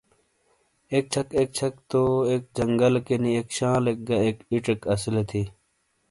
ایک چھک ایک چھک تو ایک جنگل کینی ایک شالیک گہ ایک ایڇیک اسیلے تھی۔